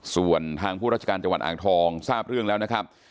ส่วนทางผู้ราชการจังหวัดอ่างทองทราบเรื่องแล้วนะครับ